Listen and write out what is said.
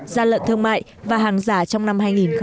gian lận thương mại và hàng giả trong năm hai nghìn một mươi chín